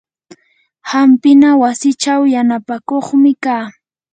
hampina wasichaw yanapakuqmi kaa.